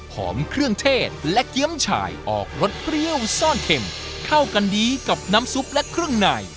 เครื่องเทศและเกี้ยมฉายออกรสเปรี้ยวซ่อนเข็มเข้ากันดีกับน้ำซุปและเครื่องใน